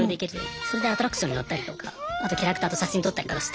それでアトラクションに乗ったりとかあとキャラクターと写真撮ったりとかして。